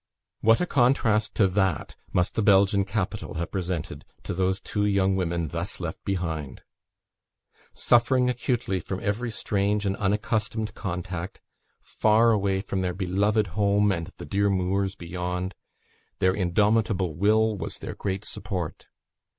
What a contrast to that must the Belgian capital have presented to those two young women thus left behind! Suffering acutely from every strange and unaccustomed contact far away from their beloved home, and the dear moors beyond their indomitable will was their great support.